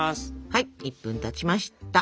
はい１分たちました。